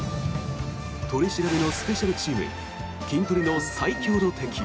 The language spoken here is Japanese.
取り調べのスペシャルチームキントリの最強の敵。